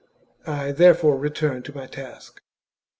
I therefore return to my task.